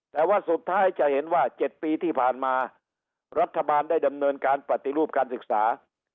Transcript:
แต่ว่าสุดท้ายจะเห็นว่า๗ปีที่ผ่านมารัฐบาลได้ดำเนินการปฏิรูปการศึกษา